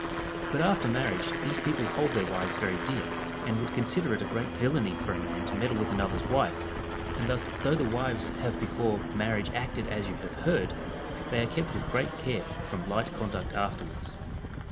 * But after marriage these people hold their wives very dear, and would consider it a great villainy for a man to meddle with another's wife ; and thus though the wives have before marriage acted as you have heard, they are kept with great care from light conduct afterwards.